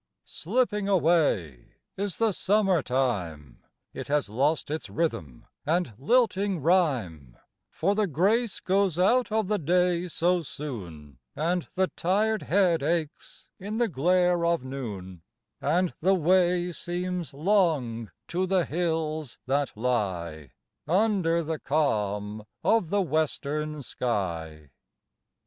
Slipping away is the Summer time; It has lost its rhythm and lilting rhyme For the grace goes out of the day so soon, And the tired head aches in the glare of noon, And the way seems long to the hills that lie Under the calm of the western sky.